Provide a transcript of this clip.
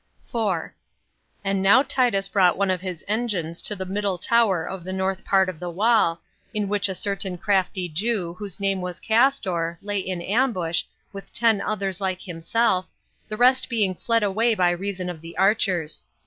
4. And now Titus brought one of his engines to the middle tower of the north part of the wall, in which a certain crafty Jew, whose name was Castor, lay in ambush, with ten others like himself, the rest being fled away by reason of the archers.